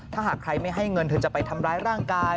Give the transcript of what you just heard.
ถ้าหากใครไม่ให้เงินเธอจะไปทำร้ายร่างกาย